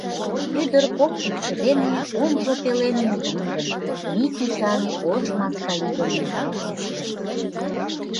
Ӱдыр кок кидше дене оҥжо пелен мӱгиндым - мӱй тӱсан ош маскаигым ӧндал кучен.